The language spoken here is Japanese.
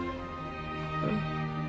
うん。